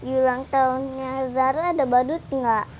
ulang tahunnya zara ada badut gak